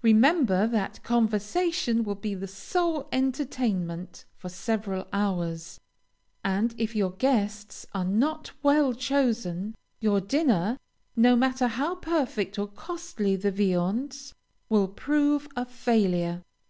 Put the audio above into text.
Remember that conversation will be the sole entertainment for several hours, and if your guests are not well chosen, your dinner, no matter how perfect or costly the viands, will prove a failure.